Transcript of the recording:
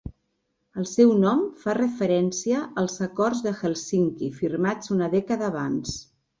El seu nom fa referència als Acords de Hèlsinki firmats una dècada abans.